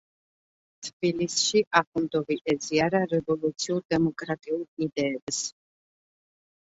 თბილისში ახუნდოვი ეზიარა რევოლუციურ დემოკრატიულ იდეებს.